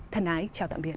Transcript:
thân ái chào tạm biệt